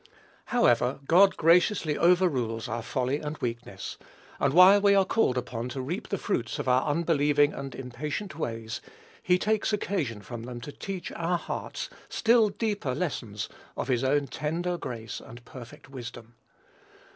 (Phil. iv. 5 7.) However, God graciously overrules our folly and weakness, and while we are called upon to reap the fruits of our unbelieving and impatient ways, he takes occasion from them to teach our hearts still deeper lessons of his own tender grace and perfect wisdom.